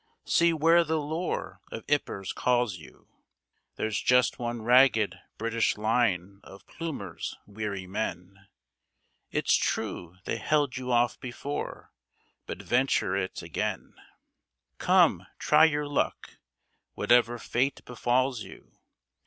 See where the lure of Ypres calls you! There's just one ragged British line of Plumer's weary men; It's true they held you off before, but venture it again, Come, try your luck, whatever fate befalls you!